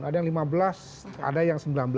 ada yang lima belas ada yang lima belas tahun